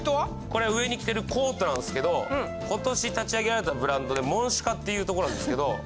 これ上に着てるコートなんですけど今年立ち上げられたブランドでモンシュカっていうとこなんですけど。